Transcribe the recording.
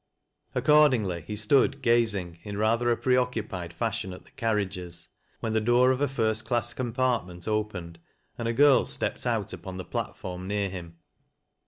Accordingly he stood gazing, in rather a preoccupied fashion, at the carriages, when the door of a first class compartment opened, and a girl stepped out upon the platform near him.